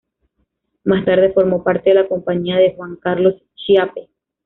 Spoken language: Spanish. Más tarde formó parte de la compañía de Juan Carlos Chiappe.